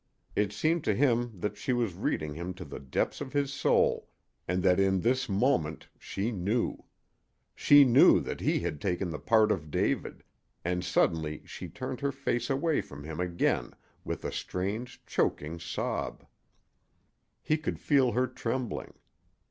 It seemed to him that she was reading him to the depths of his soul, and that in this moment she knew! She knew that he had taken the part of David, and suddenly she turned her face away from him again with a strange, choking sob. He could feel her trembling.